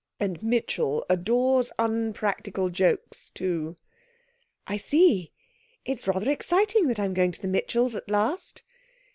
And Mitchell adores unpractical jokes, too.' 'I see. It's rather exciting that I'm going to the Mitchells at last.'